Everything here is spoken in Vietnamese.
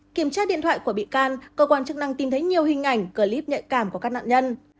kiểm tra điện thoại của bị can cơ quan chức năng tìm thấy nhiều hình ảnh clip nhạy cảm của các nạn nhân